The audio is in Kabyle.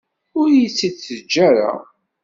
Ur iyi-tt-id-teǧǧa ara.